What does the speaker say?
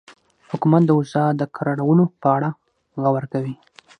حکومت د اوضاع د کرارولو په اړه غور کوي.